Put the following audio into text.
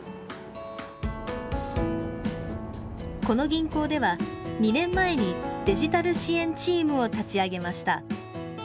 この銀行では、２年前にデジタル支援チームを立ち上げました。